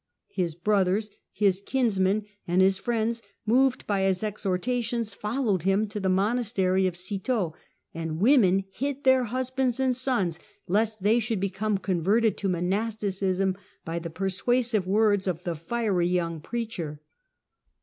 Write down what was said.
His brothers, his kinsmen and his friends, moved by his exhortations, followed him to the monastery of Citeaux, and women hid their husbands and sons, lest they should become converted to monasticism by the persuasive words of the fiery young preacher.